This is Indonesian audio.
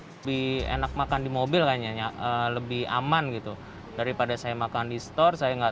lebih enak makan di mobil kayaknya lebih aman gitu daripada saya makan di store saya enggak